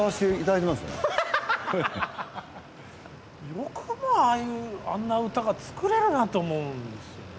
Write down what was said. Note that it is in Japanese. よくもああいうあんな歌が作れるなと思うんですよね。